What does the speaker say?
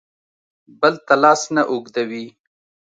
بل ته لاس نه اوږدوي.